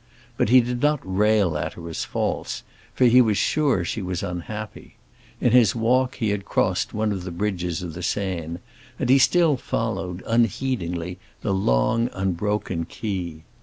But he did not rail at her as false, for he was sure she was unhappy. In his walk he had crossed one of the bridges of the Seine, and he still followed, unheedingly, the long, unbroken quay.